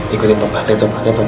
ikutin pak lihat pak lihat pak